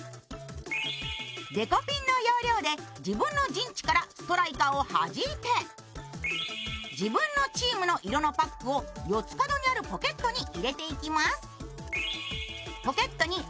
デコピンの要領で自分の陣地からストライカーをはじいて自分のチームの色のパックを四つ角にあるポケットに入れていきます。